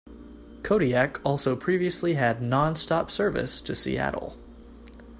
Kodiak also previously had nonstop service to Seattle.